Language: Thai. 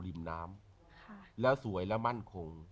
ริมน้ำแล้วสวยและมั่นคง